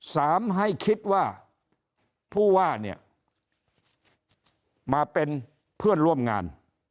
สามให้คิดว่าผู้ว่าเนี่ยมาเป็นเพื่อนร่วมงาน